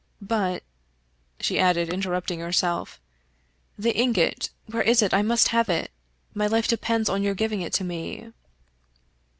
But," she added, interrupting herself, "the ingot — where is it? I must have it. My life depends on your giving it to me."